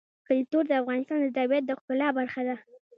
کلتور د افغانستان د طبیعت د ښکلا برخه ده.